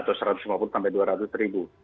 atau satu ratus lima puluh sampai dua ratus ribu